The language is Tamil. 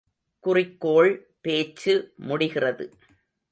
குறிக்கோள் பேச்சு முடிகிறது.